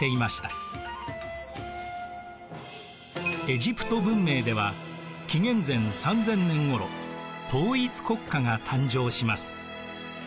エジプト文明では紀元前３０００年ごろ統一国家が誕生します。